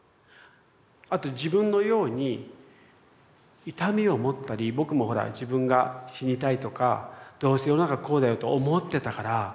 あと自分のように痛みを持ったり僕もほら自分が死にたいとかどうせ世の中こうだよと思ってたから。